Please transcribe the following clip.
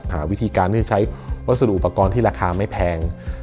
หาวิธีการที่จะใช้วัสดุอุปกรณ์ที่ราคาไม่แพง